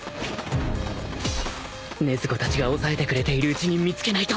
禰豆子たちが抑えてくれているうちに見つけないと！